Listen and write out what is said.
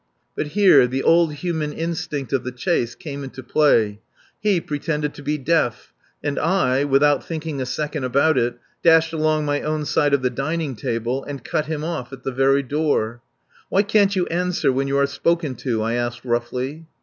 But here the old human instinct of the chase came into play. He pretended to be deaf, and I, without thinking a second about it, dashed along my own side of the dining table and cut him off at the very door. "Why can't you answer when you are spoken to?" I asked roughly.